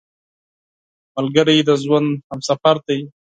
ملګری د ژوند همسفر دی